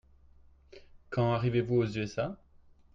Quand arrivez-vous aux USA ?